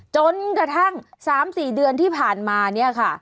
จนกระทั่ง๓๔เดือนที่ผ่านมาเนี่ยค่ะ